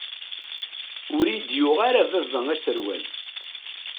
Ur iyi-d-yuɣ ara baba aserwal.